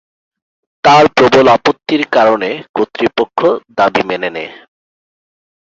তার প্রবল আপত্তির কারণে কর্তৃপক্ষ দাবী মেনে নেয়।